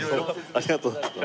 ありがとうございます。